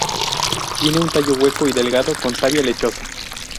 Tiene un tallo hueco y delgado con savia lechosa.